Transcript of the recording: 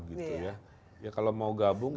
gitu ya ya kalau mau gabung